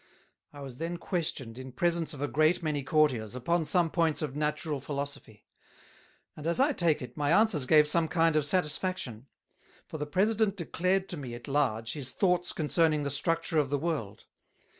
I was then questioned, in presence of a great many Courtiers, upon some points of Natural Philosophy; and, as I take it, my Answers gave some kind of Satisfaction; for the President declared to me at large his thoughts concerning the structure of the World.